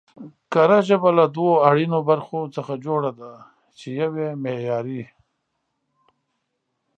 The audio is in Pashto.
کره ژبه له دوو اړينو برخو څخه جوړه ده، چې يوه يې معياري